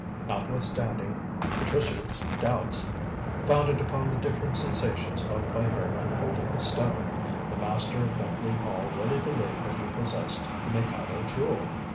Notwithstanding Patricia's doubts founded upon the different sensations felt by her when holding the stone the master of Beckleigh Hall really believed that he possessed the Mikado Jewel.